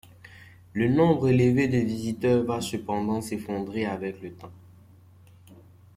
Le nombre élevé de visiteurs va cependant s'effondrer avec le temps.